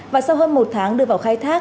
và sau hơn một tháng đưa vào khai thác